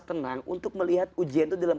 tenang untuk melihat ujian itu dalam